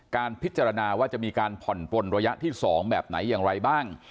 การพิจารณาว่าจะมีการผ่อนปนระยะที่๒แบบไหนอย่างไรบ้าง